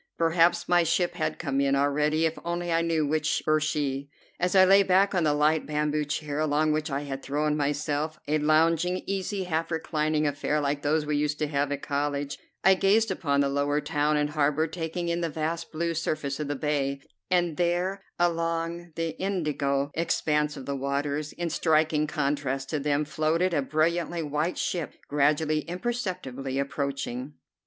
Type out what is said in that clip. Perhaps my ship had come in already if only I knew which were she. As I lay back on the light bamboo chair, along which I had thrown myself, a lounging, easy, half reclining affair like those we used to have at college, I gazed upon the lower town and harbor, taking in the vast blue surface of the bay; and there along the indigo expanse of the waters, in striking contrast to them, floated a brilliantly white ship gradually, imperceptibly approaching.